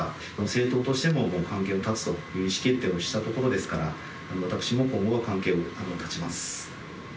政党としても関係を絶つという意思決定をしたところですから、私も今後、関係を絶ちます。